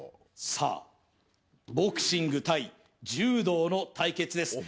さあボクシング対柔道の対決です